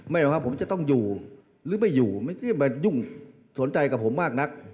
หรอกครับผมจะต้องอยู่หรือไม่อยู่ไม่ใช่มายุ่งสนใจกับผมมากนัก